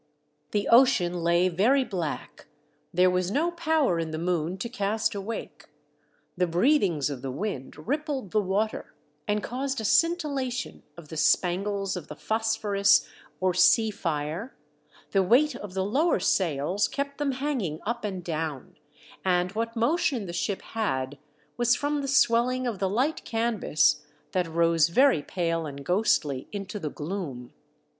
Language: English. The ocean lay very black, there was no power in the moon to cast a ^>ake, the breathings of the wind rippled the water and caused a scin tillation of the spangles of the phosphorus or 54 THE DEATH SHIP. sea fire, the weight of the lower sails kept them hanging up and down, and what motion the ship had was from the swelling of the light canvas that rose very pale and ghostly into the orloom.